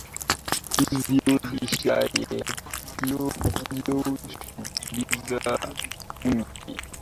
hivyo licha ya tukio hilo shughuli za bunge